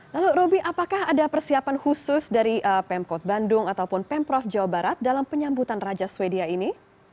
lalu roby apakah ada persiapan khusus dari pemkot bandung ataupun pemprov jawa barat dalam penyambutan raja swedia ini